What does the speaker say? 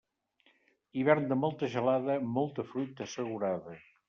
Hivern de molta gelada, molta fruita assegurada.